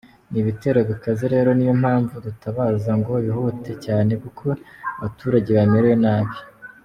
Ni ibitero bikaze rero niyo mpamvu dutabaza ngo bihute cyane kuko abaturage bamerewe nabi.